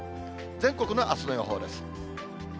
全国のあすの予報です。